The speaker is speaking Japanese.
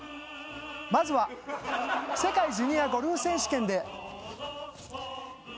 まずは世界ジュニアゴルフ選手権で。